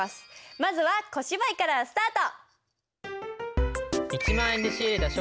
まずは小芝居からスタート！